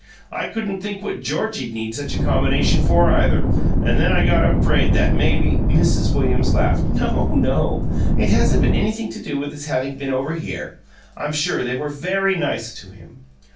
I couldn't think what Georgie'd need such a combination for either, and then I got afraid that maybe " Mrs. Williams laughed. "Oh, no; it hasn't anything to do with his having been over here. I'm sure they were very nice to him."